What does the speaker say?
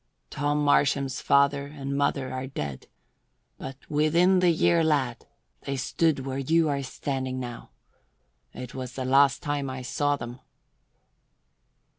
"Tom Marsham's father and mother are dead, but within the year, lad, they stood where you are standing now. It was the last time I saw them."